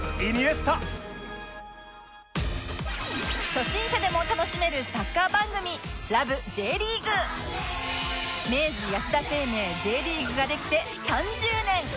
初心者でも楽しめるサッカー番組明治安田生命 Ｊ リーグができて３０年！